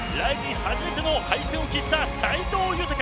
初めての敗戦を喫した斎藤裕。